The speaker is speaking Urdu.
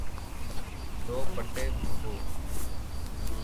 دوپٹے بھگو